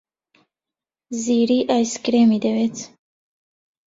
زیری ئایسکرێمی دەوێت.